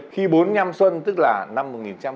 khi bốn nhăm xuân tức là năm một nghìn chín trăm bảy mươi năm